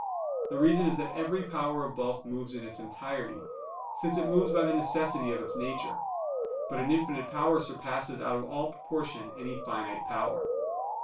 The reason is that every power of bulk moves in its entirety; since it moves by the necessity of its nature. But an infinite power surpasses out of all proportion any finite power.